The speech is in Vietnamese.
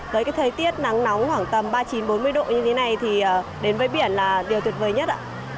với cái thời tiết nắng nóng khoảng tầm ba mươi chín bốn mươi độ như thế này thì đến với biển là điều tuyệt vời nhất ạ